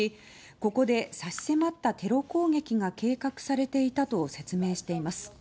ここで差し迫ったテロ攻撃が計画されていたと説明しています。